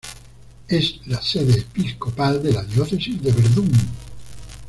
Es la sede episcopal de la diócesis de Verdún.